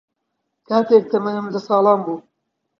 کاتێک تەمەنم دە ساڵان بوو